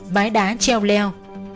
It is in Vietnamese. mái đá treo leo